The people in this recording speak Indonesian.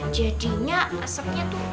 jadinya asapnya tuh